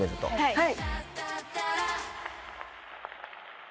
はい。